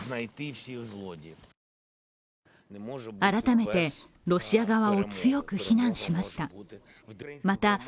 改めてロシア側を強く非難しました。